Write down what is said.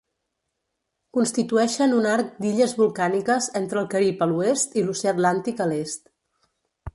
Constitueixen un arc d'illes volcàniques entre el Carib a l'oest i l'Oceà Atlàntic a l'est.